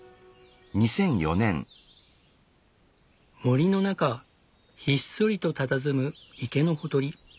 森の中ひっそりとたたずむ池のほとり。